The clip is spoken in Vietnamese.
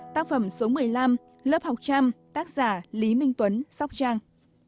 tác phẩm số một mươi năm lớp học trăm tác giả lý minh tuấn sóc trăng